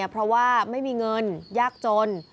เพราะว่าไม่มีเงินยากจน